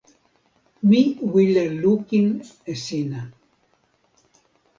mi wile lukin e sina.